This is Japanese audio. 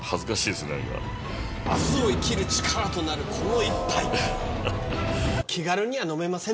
「明日を生きる力となるこの一杯」。